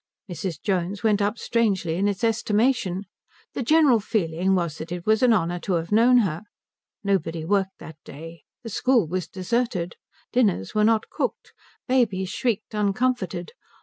Mrs. Jones went up strangely in its estimation. The general feeling was that it was an honour to have known her. Nobody worked that day. The school was deserted. Dinners were not cooked. Babies shrieked uncomforted.